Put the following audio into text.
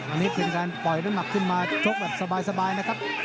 อันนี้เป็นการปล่อยน้ำหนักขึ้นมาชกแบบสบายนะครับ